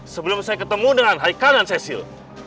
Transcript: sebelum saya ketemu dengan haikal dan cecil